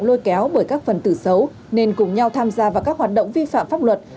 các trường hợp này thường bị kéo bởi các phần tử xấu nên cùng nhau tham gia vào các hoạt động vi phạm pháp luật